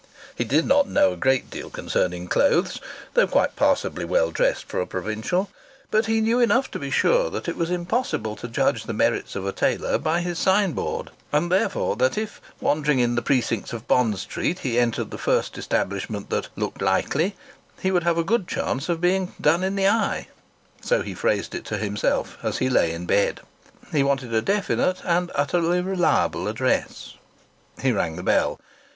He did not know a great deal concerning clothes, though quite passably well dressed for a provincial, but he knew enough to be sure that it was impossible to judge the merits of a tailor by his signboard, and therefore that if, wandering in the precincts of Bond Street, he entered the first establishment that "looked likely," he would have a good chance of being "done in the eye." So he phrased it to himself as he lay in bed. He wanted a definite and utterly reliable address. He rang the bell.